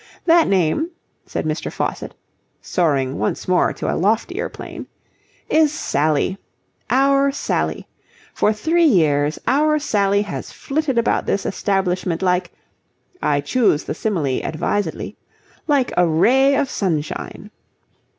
That name," said Mr. Faucitt, soaring once more to a loftier plane, "is Sally. Our Sally. For three years our Sally has flitted about this establishment like I choose the simile advisedly like a ray of sunshine.